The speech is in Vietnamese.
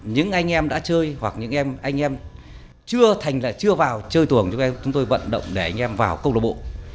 những anh em đã chơi hoặc những anh em chưa vào chơi tuồng chúng tôi vận động để anh em vào câu lạc bộ